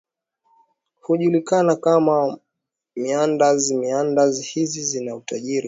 hujulikana kama meanders Meanders hizi zina utajiri